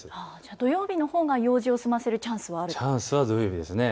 土曜日のほうが用事を済ませるチャンスはあるということですね。